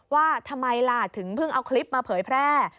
ว่าทำไมล่ะถึงเพิ่งเอาคลิปมาเผยแพร่